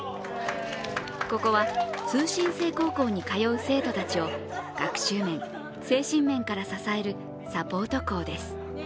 ここは通信制高校に通う生徒たちを、学習面、精神面から支えるサポート校です。